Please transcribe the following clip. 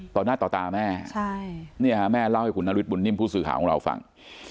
ต่อหน้าต่อตาแม่แม่เล่าให้คุณนฤทธบุญนิ่มผู้สื่อข่าวของเราฟัง